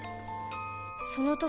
その時